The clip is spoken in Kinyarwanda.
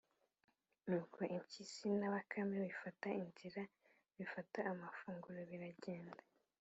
nuko impyisi na bakame bifata inzira, bifata amafunguro biragenda.